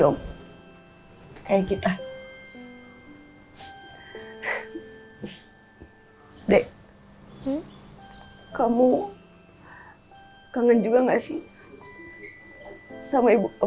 pertama kali gue ngeliatnya